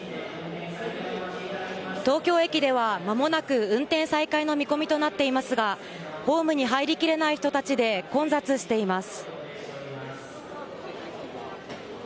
東京駅では間もなく運転再開の見込みとなっていますがホームに入りきれない人たちで混雑しています。